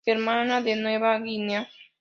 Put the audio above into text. Germana de Nueva Guinea".